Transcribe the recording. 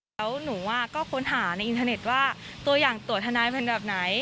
แล้วหนูก็ค้นหาในอินเทอร์เน็ตว่าตัวอย่างตัวทนายเป็นแบบไหน